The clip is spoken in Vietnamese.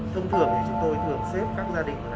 thông thường chúng tôi thường xếp các gia đình